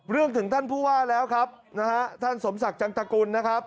ถึงท่านผู้ว่าแล้วครับนะฮะท่านสมศักดิ์จังตกุลนะครับ